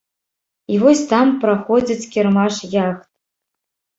І вось там праходзіць кірмаш яхт.